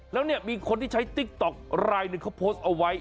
แล้วเนี่ยมีคนที่ใช้ติ๊กต๊อกรายหนึ่งเขาโพสต์เอาไว้